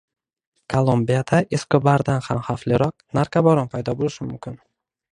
Kolumbiyada Eskobardan ham xavfliroq narkobaron paydo bo‘lishi mumkin